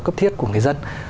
cấp thiết của người dân